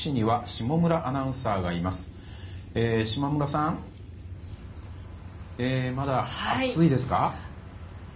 下村さん、まだ暑いですか？